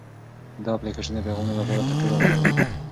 دا اپلیکیشن د پیغامونو لپاره تر ټولو غوره دی.